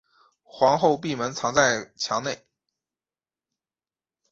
皇后闭门藏在墙内。